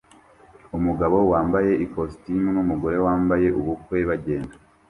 Umugabo wambaye ikositimu numugore wambaye ubukwe bagenda